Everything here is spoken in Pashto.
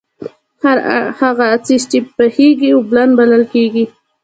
هر هغه څيز چې بهېږي، اوبلن بلل کيږي